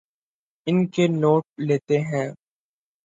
ان کے نوٹ لیتے ہیں